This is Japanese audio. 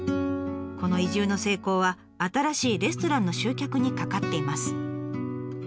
この移住の成功は新しいレストランの集客にかかっています。